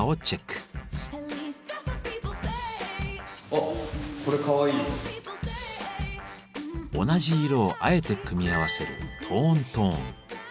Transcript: あっ同じ色をあえて組み合わせる「トーントーン」。